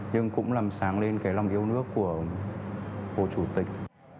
nhưng cũng làm sáng lên cái lòng yêu nước của hồ chủ tịch